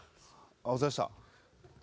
ああお疲れさまでした。